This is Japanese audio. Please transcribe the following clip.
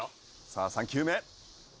さあ３球目。